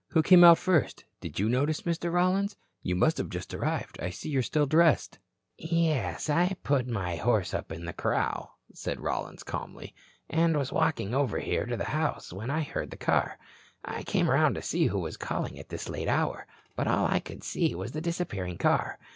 Who came out first? Did you notice, Mr. Rollins? You must have just arrived. I see you are still dressed." "Yes, I had put my horse up in the corral," said Rollins, calmly, "and was walking over here to the house, when I heard the car. I came around to see who was calling at this late hour, but all I could see was the disappearing car.